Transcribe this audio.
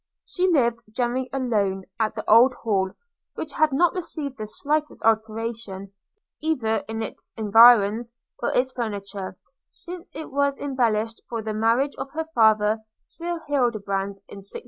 – She lived, generally alone, at the Old Hall, which had not received the slightest alteration, either in its environs or its furniture, since it was embellished for the marriage of her father Sir Hildebrand, in 1698.